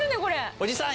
おじさん！